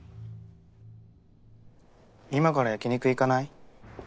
今から焼き肉屋行かない？